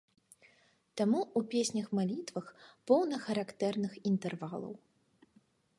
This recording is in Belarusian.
Таму ў песнях-малітвах поўна характэрных інтэрвалаў.